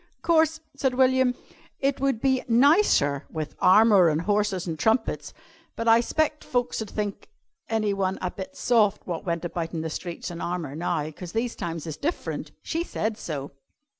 "'Course," said William, "it would be nicer with armour an' horses an' trumpets, but I 'spect folks ud think anyone a bit soft wot went about in the streets in armour now, 'cause these times is different. She said so.